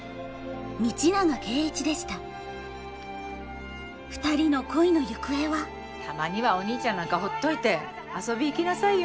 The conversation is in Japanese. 道永圭一でしたたまにはお兄ちゃんなんかほっといて遊び行きなさいよ。